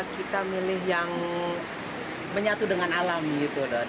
kita milih yang menyatu dengan alam gitu